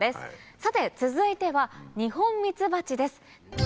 さて続いてはニホンミツバチです。